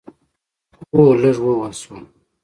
هو، لږ ووهل شوم